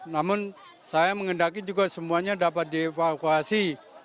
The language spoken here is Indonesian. namun saya mengendaki juga semuanya dapat dievakuasi